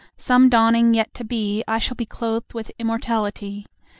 Some dawning yet to be I shall be clothed with immortality!